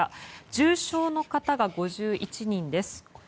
重症の方が５１人です。